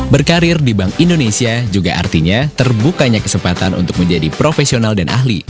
berkarir di bank indonesia juga artinya terbukanya kesempatan untuk menjadi profesional dan ahli